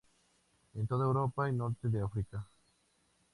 En toda Europa y norte de África.